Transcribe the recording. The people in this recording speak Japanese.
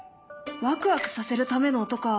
ワクワクさせるための音か。